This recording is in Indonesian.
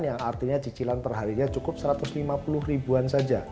yang artinya cicilan perharinya cukup satu ratus lima puluh ribuan saja